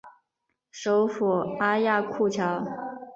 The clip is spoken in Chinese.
首府阿亚库乔。